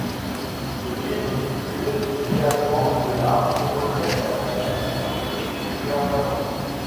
Le film cumule également $ de recettes en Allemagne, en Autriche et en Finlande.